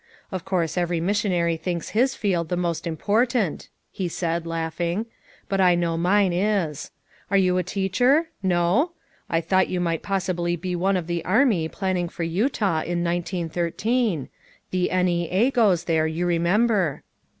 Of course every missionary thinks his field the most im portant," he added, laughing, "hut I know mine is. Are you a teacher? No! I thought you might possibly be one of the army planning for Utah in 1913. The N. E. A. goes there, you re member."